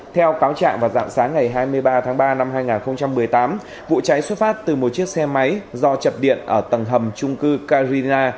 theo cáo trạng vào dạng sáng ngày hai mươi ba tháng ba năm hai nghìn một mươi tám vụ cháy xuất phát từ một chiếc xe máy do chập điện ở tầng hầm trung cư carina